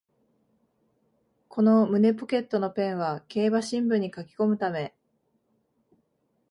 この胸ポケットのペンは競馬新聞に書きこむため